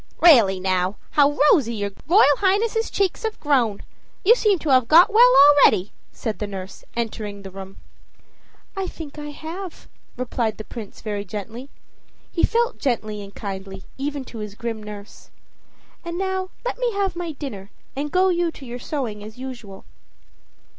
"Really now, how rosy your Royal Highness' cheeks have grown! You seem to have got well already," said the nurse, entering the room. "I think I have," replied the Prince very gently he felt gently and kindly even to his grim nurse. "And now let me have my dinner, and go you to your sewing as usual."